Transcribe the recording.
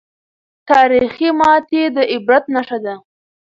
تاریخي ماتې د عبرت نښه ده.